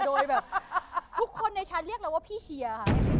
โดยแบบทุกคนในชั้นเรียกเราว่าพี่เชียร์ค่ะ